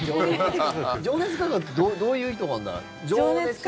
情熱価格ってどういう意図があるんだろう。